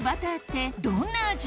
どんな味？